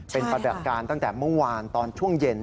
เป็นปฏิบัติการตั้งแต่เมื่อวานตอนช่วงเย็น